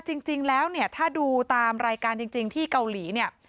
จริงแล้วถ้าดูตามรายการจริงที่เกาหลี